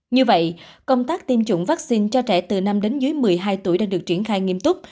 như vậy công tác tiêm chủng vaccine cho trẻ từ năm đến dưới một mươi hai tuổi đã được triển khai nghiêm túc